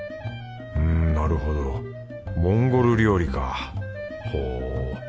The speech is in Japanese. うんなるほどモンゴル料理かほぉ。